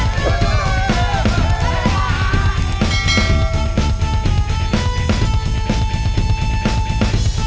ke rumah sakit medika boy